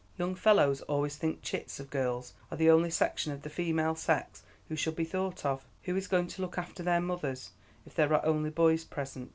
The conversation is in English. "Young fellows always think chits of girls are the only section of the female sex who should be thought of. Who is going to look after their mothers, if there are only boys present?